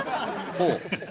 ほう。